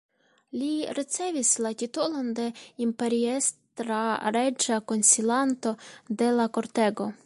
Li ricevis la titolon de imperiestra-reĝa konsilanto de la kortego.